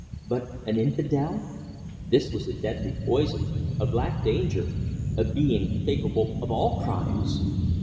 But an infide this was a deadly poison, a black danger, a being capable of all crimes.